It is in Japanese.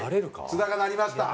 津田がなりました。